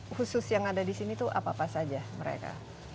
khusus yang ada di sini itu apa apa saja mereka